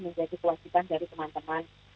menjadi kewajiban dari teman teman